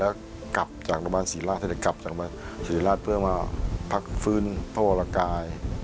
แล้วก็กลับจากประวัติศรีราชเสด็จกลับจากประวัติศรีราชเพื่อมาพักฟื้นพระวรกาย